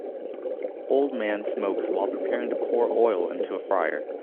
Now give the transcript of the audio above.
Old man smokes while preparing to pour oil into a fryer